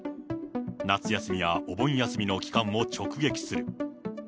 夏休みやお盆休みの期間を直撃する。